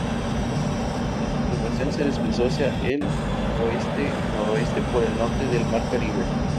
La perturbación se desplazó hacia el oeste-noroeste por el norte del mar Caribe.